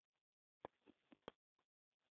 mtoto anayeugua malaria anahitaji chakula chenye lishe